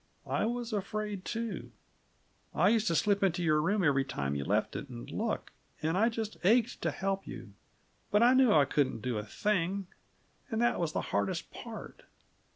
I was afraid, too. I used to slip into your room every time you left it, and look and I just ached to help you! But I knew I couldn't do a thing; and that was the hardest part.